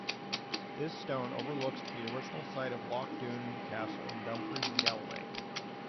This stone overlooks the original site of Loch Doon Castle in Dumfries and Galloway.